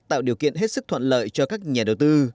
tạo điều kiện hết sức thuận lợi cho các nhà đầu tư